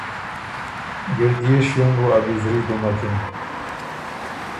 ګِړديې شیوم بُو ا بِزري دُومکِن۔